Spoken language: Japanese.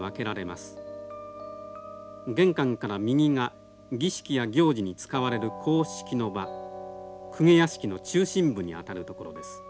玄関から右が儀式や行事に使われる公式の場公家屋敷の中心部にあたる所です。